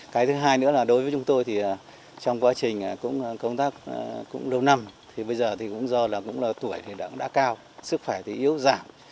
cái thứ hai nữa là đối với chúng tôi thì trong quá trình công tác cũng lâu năm bây giờ cũng do tuổi đã cao sức khỏe thì yếu giảm